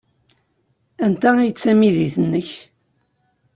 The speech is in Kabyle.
Anta ay d tamidit-nnek?